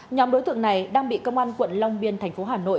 nhóm đối tượng này đang bị công an quận ba bắt giữ